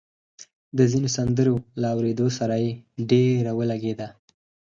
د ځينو سندرو له اورېدو سره يې ډېره ولګېده